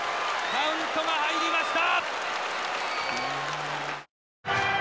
カウントが入りました。